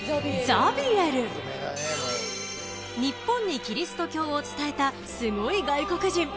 ［日本にキリスト教を伝えたスゴい外国人］